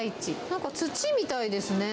なんか土みたいですね。